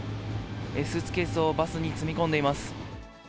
スーツケースをバスに積み込んでいます。